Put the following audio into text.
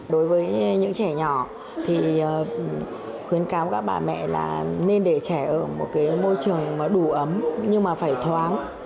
đối với những trẻ nhỏ thì khuyến khám các bà mẹ là nên để trẻ ở một môi trường đủ ấm nhưng mà phải thoáng